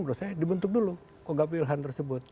menurut saya dibentuk dulu kogak wilhan tersebut